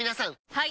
はい！